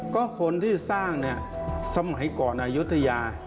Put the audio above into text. ก็คนที่สร้างสมัยก่อนอยุธยา